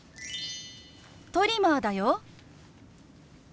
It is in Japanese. トリマーだよ。